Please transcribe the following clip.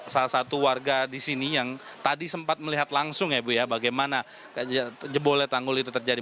salah satu warga di sini yang tadi sempat melihat langsung ya bu ya bagaimana jebolnya tanggul itu terjadi